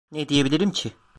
Ne diyebilirim ki?